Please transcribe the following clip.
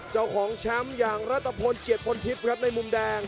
เจ้าของแชมป์อย่างรัฐพลเกียรติพลทิพย์ครับในมุมแดง